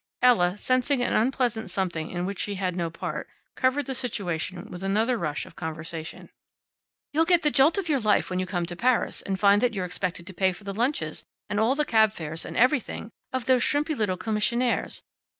Ella, sensing an unpleasant something in which she had no part, covered the situation with another rush of conversation. "You'll get the jolt of your life when you come to Paris and find that you're expected to pay for the lunches, and all the cab fares, and everything, of those shrimpy little commissionaires.